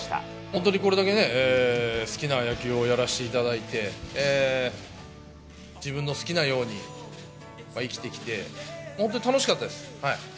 本当にこれだけね、好きな野球をやらせていただいて、自分の好きなように生きてきて、本当に楽しかったです。